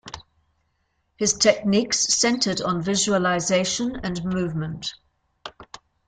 His techniques centered on visualization and movement.